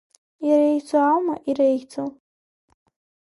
Иреиӷьӡоу аума, иреиӷьӡоу?!